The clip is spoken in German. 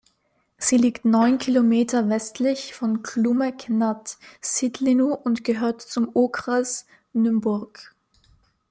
Sie liegt neun Kilometer westlich von Chlumec nad Cidlinou und gehört zum Okres Nymburk.